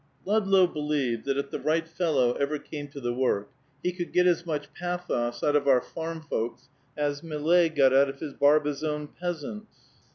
II. Ludlow believed that if the right fellow ever came to the work, he could get as much pathos out of our farm folks as Millet got out of his Barbizon peasants.